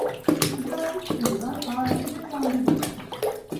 Çocuğa iş buyuran, ardınca kendi gider.